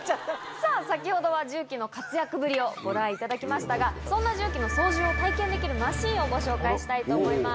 さあ、先ほどは重機の活躍ぶりをご覧いただきましたが、そんな重機の操縦を体験できるマシンをご紹介したいと思います。